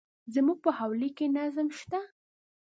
زموږ په حویلی کي نظم شته.